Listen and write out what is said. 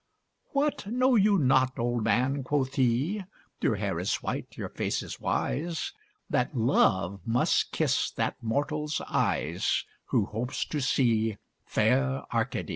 What, know you not, old man (quoth he) Your hair is white, your face is wise That Love must kiss that Mortal's eyes Who hopes to see fair Arcady?